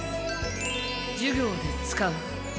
授業で使う。